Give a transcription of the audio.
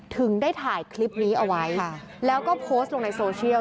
ถึงได้ถ่ายคลิปนี้เอาไว้แล้วก็โพสต์ลงในโซเชียล